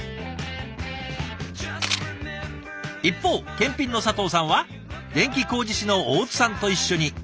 一方検品の佐藤さんは電気工事士の大津さんと一緒に。